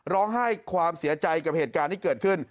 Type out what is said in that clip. ร้องไห้ความเสียใจกับเหตุการณ์ที่เกิดขึ้น